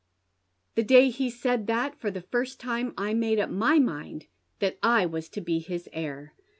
The day he said that for the first tinia I made uj) my mind that I was to bo his heir.